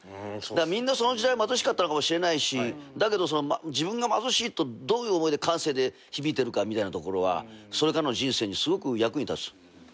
みんなその時代は貧しかったのかもしれないしだけど自分が貧しいとどういう思いで感性で響いてるかみたいなところはそれからの人生にすごく役に立つ。